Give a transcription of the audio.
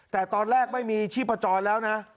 แต่ตอนแรกไม่มีชีพจรแล้วนะ